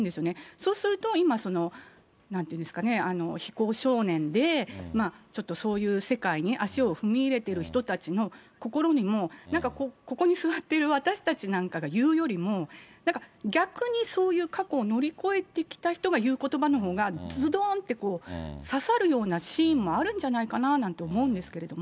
そうすると今、非行少年で、ちょっとそういう世界に足を踏み入れている人たちの心にも、なんか、ここに座っている私たちなんかが言うよりも、逆にそういう過去を乗り越えてきた人が言うことばのほうが、ずどんって刺さるようなシーンもあるんじゃないかななんて思うんですけれども。